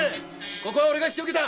ここは引き受けた。